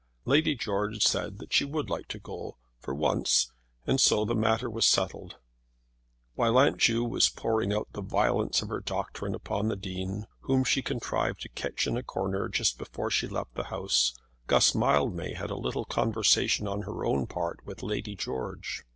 Lady George said that she would like to go for once, and so that matter was settled. While Aunt Ju was pouring out the violence of her doctrine upon the Dean, whom she contrived to catch in a corner just before she left the house, Guss Mildmay had a little conversation on her own part with Lady George.